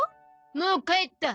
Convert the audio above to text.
もう帰った。